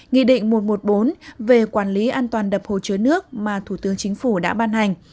nghị định một trăm một mươi bốn về quản lý an toàn đập hồ chứa nước mà thủ tướng chính phủ đã ban hành